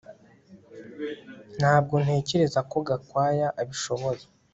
Ntabwo ntekereza ko Gakwaya abishoboye